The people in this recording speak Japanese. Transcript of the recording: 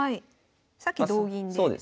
さっき同銀で。